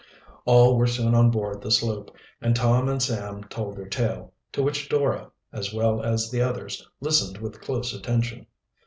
All were soon on board the sloop, and Tom and Sam told their tale, to which Dora, as well as the others, listened with close attention.